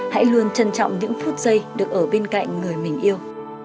hãy luôn trân trọng những phút giây được ở bên cạnh người mình yêu